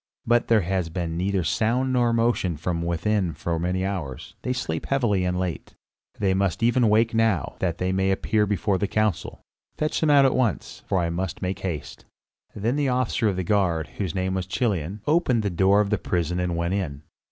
"But there has been neither sound nor motion from within for many hours; they sleep heavily and late." "They must even awake now, that they may appear before the council. Fetch them out at once, for I must make haste." Then the officer of the guard, whose name was Chilion, opened the door of the prison and went in.